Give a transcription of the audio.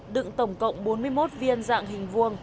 đựng tổng cộng bốn mươi một viên dạng hình vuông